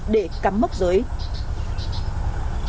để cắm mất giới rừng